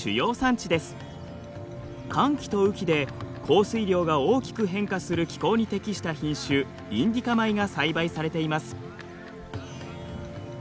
乾季と雨季で降水量が大きく変化する気候に適した品種インディカ米が栽培されています。